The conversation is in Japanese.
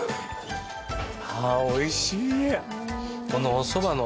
おいしい。